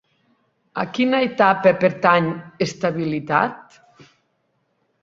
A quina etapa pertany Estabilitat?